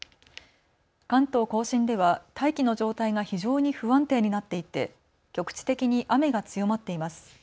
関東甲信では大気の状態が非常に不安定になっていて局地的に雨が強まっています。